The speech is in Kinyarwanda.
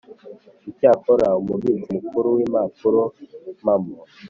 Icyakora Umubitsi Mukuru w Impapurompamo